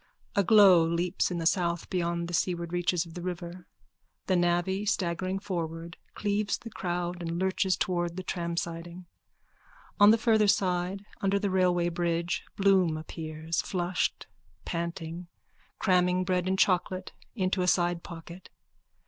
A glow leaps in the south beyond the seaward reaches of the river. The navvy, staggering forward, cleaves the crowd and lurches towards the tramsiding. On the farther side under the railway bridge Bloom appears, flushed, panting, cramming bread and chocolate into a sidepocket.